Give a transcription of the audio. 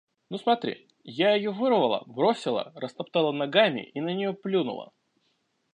Ну, смотри: я ее вырвала, бросила, растоптала ногами и на нее плюнула.